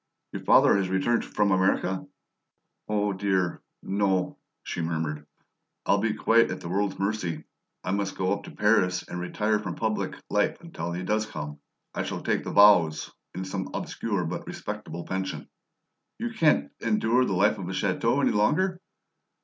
"Your father has returned from America?" "Oh dear, no," she murmured. "I'll be quite at the world's mercy. I must go up to Paris and retire from public life until he does come. I shall take the vows in some obscure but respectable pension." "You can't endure the life at the chateau any longer?"